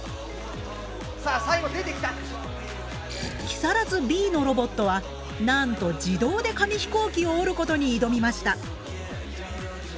木更津Ｂのロボットはなんと自動で紙飛行機を折ることに挑みました。